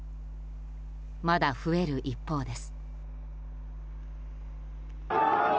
まだ増える一方です。